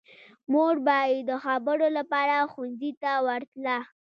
مور به یې د خبرو لپاره ښوونځي ته ورتله